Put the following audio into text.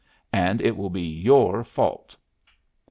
And it will be your fault!"